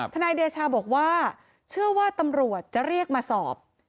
นายเดชาบอกว่าเชื่อว่าตำรวจจะเรียกมาสอบ